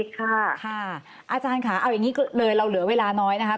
ค่ะค่ะอาจารย์ค่ะเอาอย่างนี้เลยเราเหลือเวลาน้อยนะคะ